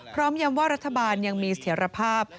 ยำว่ารัฐบาลยังมีเถียรภาพ